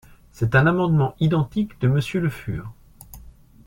C’est un amendement identique de Monsieur Le Fur.